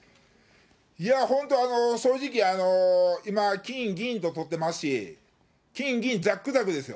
いや、本当に正直、今、金、銀ととってますし、金、銀、ざっくざくですよ。